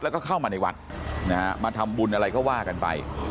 แล้วก็เข้ามาในวัดนะฮะมาทำบุญอะไรก็ว่ากันไป